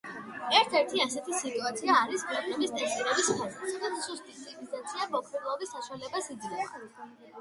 ერთ ერთი ასეთი სიტუაცია არის პროგრამის ტესტირების ფაზა, სადაც სუსტი ტიპიზაცია მოქნილობის საშუალებას იძლევა.